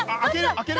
開ける？